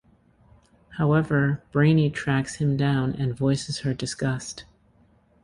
However, Brainey tracks him down and voices her disgust.